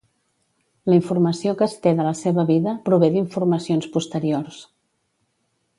La informació que es té de la seva vida prové d'informacions posteriors.